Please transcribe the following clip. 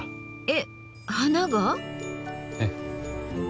えっ花が？ええ。